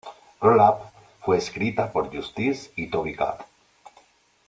Girl Up fue escrita por Justice y Toby Gad